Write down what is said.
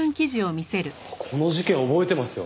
この事件覚えてますよ。